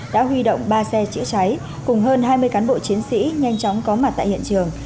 đã huy động ba xe chữa cháy cùng hơn hai mươi cán bộ chiến sĩ nhanh chóng có mặt tại hiện trường